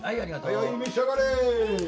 はいはい召し上がれ！